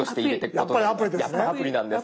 やっぱりアプリなんです。